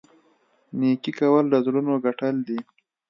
نیکي کول د زړونو ګټل دي.